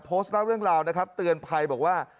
โพสต์เล่าเรื่องราวนะครับเตือนภัยบอกว่า